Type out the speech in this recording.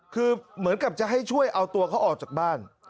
คือเหมือนกับจะให้ช่วยเอาตัวเขาออกจากบ้าน